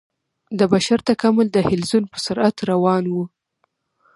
د بشر تکامل د حلزون په سرعت روان و.